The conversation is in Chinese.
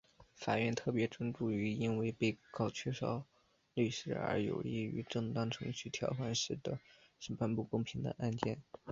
法院特别专注于因为被告缺少律师而有异于正当程序条款使得审判不公正的案件。